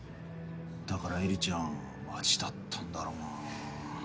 だから絵里ちゃんマジだったんだろうなぁ。